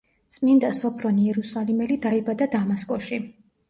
წმინდა სოფრონ იერუსალიმელი დაიბადა დამასკოში.